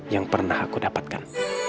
yang pernah aku dapatkan